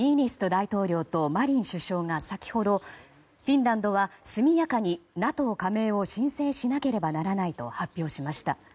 大統領とマリン首相は先ほどフィンランドは速やかにＮＡＴＯ加盟を申請しなければならないと発表しました。